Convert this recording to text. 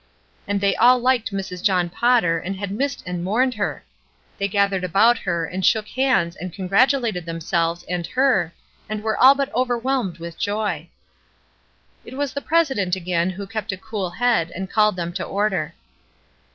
And they all liked Mrs. John Potter and had missed and mourned her. They gathered about her and shook hands and congratulated them "SOMETHING PORTENTOUS" 429 selves and her, and were all but overwhelmed with joy. It was the president again who kept a cool head and called them to order.